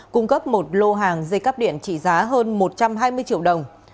cung cấp một lô hàng dây cắp điện trị giá hơn một trăm hai mươi triệu đồng